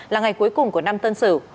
là ngày cuối cùng của năm tân sử